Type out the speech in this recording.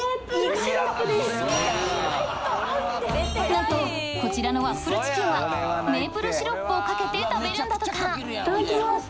なんとこちらのワッフルチキンはメープルシロップをかけて食べるんだとかいただきます。